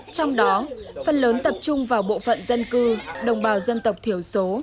trong đó phần lớn tập trung vào bộ phận dân cư đồng bào dân tộc thiểu số